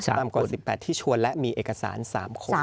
ต่ำกว่า๑๘ที่ชวนและมีเอกสาร๓คน